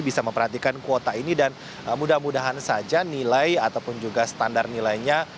bisa memperhatikan kuota ini dan mudah mudahan saja nilai ataupun juga standar nilainya